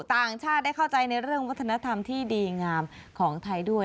ต่างชาติได้เข้าใจในเรื่องวัฒนธรรมที่ดีงามของไทยด้วย